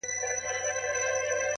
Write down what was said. د غلا په جرم به پاچاصاب محترم نیسې،